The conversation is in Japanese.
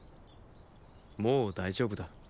もう大丈夫だ。